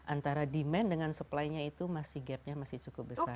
antara demand dengan supply nya itu masih gapnya masih cukup besar